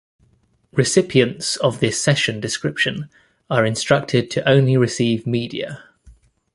Recipients of this session description are instructed to only receive media.